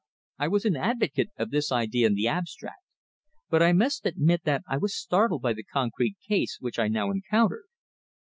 I was an advocate of this idea in the abstract, but I must admit that I was startled by the concrete case which I now encountered.